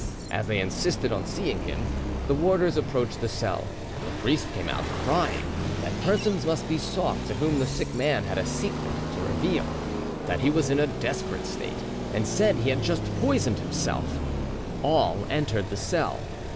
As they insisted on seeing him; the warders approached the cell: the priest came out, crying that persons must be sought to whom the sick man had a secret to reveal; that he was in a desperate state, and said he had just poisoned himself; all entered the cell.